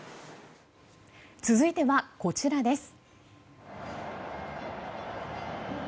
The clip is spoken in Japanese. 続いてはこちらです。